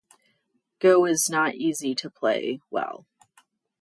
Go is not easy to play well.